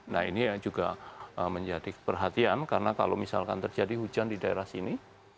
nah ini juga menjadi perhatian karena kalau misalkan terjadi hujan di daerah sini